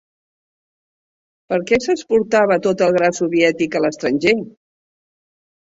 Per què s'exportava tot el gra soviètic a l'estranger?